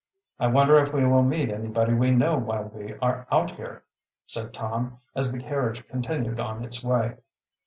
"I wonder if we will meet anybody we know while we are out here," said Tom, as the carriage continued on its way.